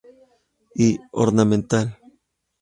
Y ornamental.